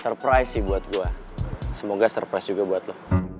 surprise sih buat gue semoga surprise juga buat lo